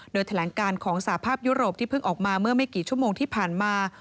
โดยแถลงการของสาภาพยุโรปที่เพิ่งออกมาเมื่อไม่กี่ชั่วโมงที่ผ่านมา